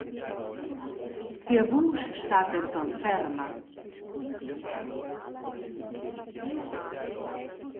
Sia vusch stat denton ferma.